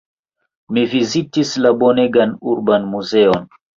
Mi vizitis la bonegan urban muzeon.